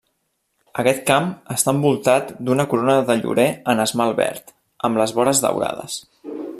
Aquest camp està envoltat d'una corona de llorer en esmalt verd, amb les vores daurades.